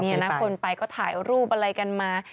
คนไปก็ถ่ายรูปอะไรกันมา